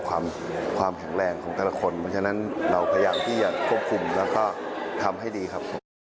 ความแข็งแรงของแต่ละคนเพราะฉะนั้นเราพยายามที่จะควบคุมแล้วก็ทำให้ดีครับผม